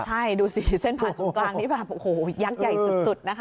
ใช่ดูสิเส้นผ่านศูนย์กลางนี่แบบโอ้โหยักษ์ใหญ่สุดนะคะ